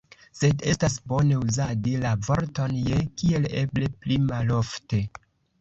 Sed estas bone uzadi la vorton « je » kiel eble pli malofte.